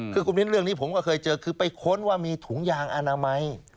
คือคุณมิ้นเรื่องนี้ผมก็เคยเจอคือไปค้นว่ามีถุงยางอนามัย